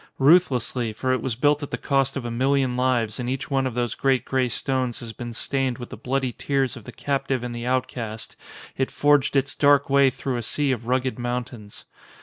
Ruthlessly, for it was built at the cost of a million lives and each one of those great grey stones has been stained with the bloody tears of the captive and the outcast, it forged its dark way through a sea of rugged mountains.